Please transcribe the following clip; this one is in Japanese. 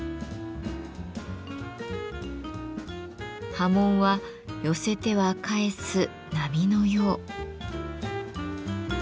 刃文は寄せては返す波のよう。